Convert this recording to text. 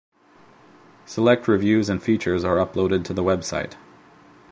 Select reviews and features are uploaded to the website.